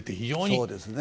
そうですね。